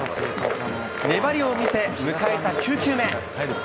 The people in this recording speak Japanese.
粘りを見せ、迎えた９球目。